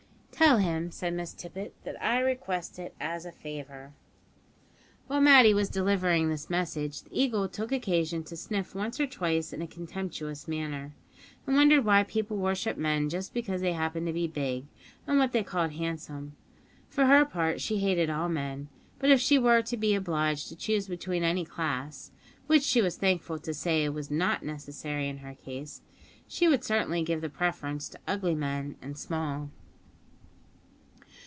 "Tell him," said Miss Tippet, "that I request it as a favour." While Matty was delivering this message, the Eagle took occasion to sniff once or twice in a contemptuous manner, and wondered why people worshipped men just because they happened to be big, and what they called handsome. For her part, she hated all men, but if she were to be obliged to choose between any class (which she was thankful to say was not necessary in her case), she would certainly give the preference to ugly men and small.